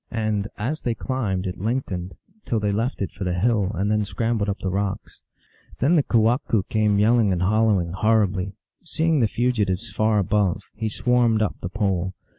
And, as they climbed, it lengthened, till they left it for the hill, and then scrambled up the rocks. Then the kewahqu came yelling and howling horri bly. Seeing the fugitives far above, he swarmed up the pole.